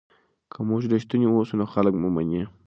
که موږ رښتیني اوسو نو خلک مو مني.